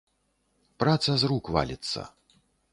Праца з рук валіцца.